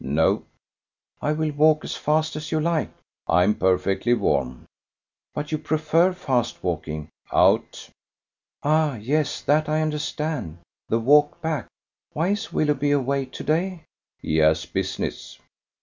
"No." "I will walk as fast as you like." "I'm perfectly warm." "But you prefer fast walking." "Out." "Ah! yes, that I understand. The walk back! Why is Willoughby away to day?" "He has business."